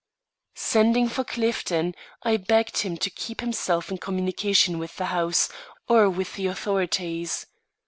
Sending for Clifton, I begged him to keep himself in communication with the house, or with the authorities.